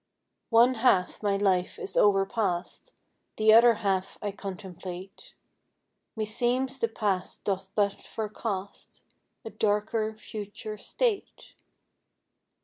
One half my life is overpast; The other half I contemplate Meseems the past doth but forecast A darker future state.